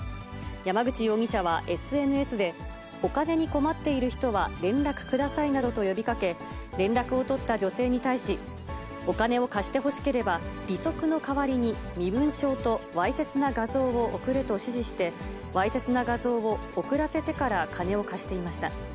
山口容疑者はＳＮＳで、お金に困っている人は連絡くださいなどと呼びかけ、連絡を取った女性に対し、お金を貸してほしければ、利息の代わりに身分証とわいせつな画像を送れと指示して、わいせつな画像を送らせてから金を貸していました。